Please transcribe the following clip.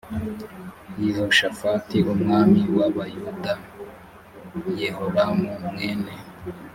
yehoshafati umwami w abayuda yehoramu mwene